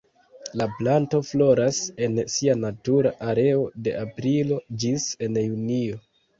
La planto floras en sia natura areo de aprilo ĝis en junio.